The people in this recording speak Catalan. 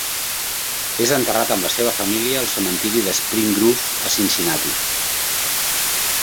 És enterrat amb la seva família al cementiri de Spring Grove a Cincinnati.